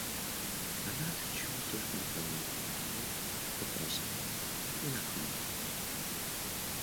Она отвечала только наклонением головы, покраснела и нахмурилась.